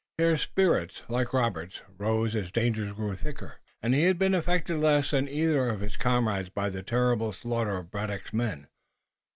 His spirits, like Robert's, rose as dangers grew thicker around them, and he had been affected less than either of his comrades by the terrible slaughter of Braddock's men.